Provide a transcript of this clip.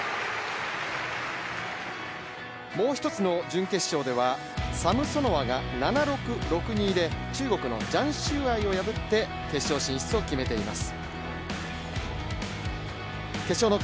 もう１つの準決勝ではサムソノワが７−６、６−２で中国のジャン・シューアイを破って決勝進出を決めています。